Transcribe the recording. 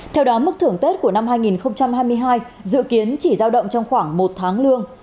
theo đó mức thưởng tết của năm hai nghìn hai mươi hai dự kiến chỉ giao động trong khoảng một tháng lương